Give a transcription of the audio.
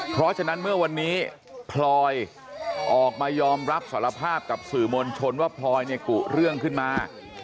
เพราะฉะนั้นเมื่อวันนี้พลอยออกมายอมรับสารภาพกับสื่อมวลชนว่าพลอยเนี่ยกุเรื่องขึ้นมา